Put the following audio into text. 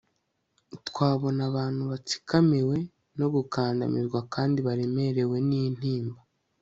twabona abantu batsikamiwe no gukandamizwa kandi baremerewe nintimba